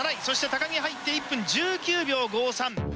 そして、高木入って１分１９秒５３。